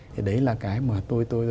thì đấy là cái mà tôi